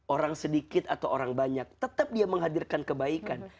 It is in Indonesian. orang sedikit atau orang banyak tetap dia menghadirkan kebaikan